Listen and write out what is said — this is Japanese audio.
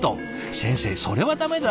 先生それは駄目だ。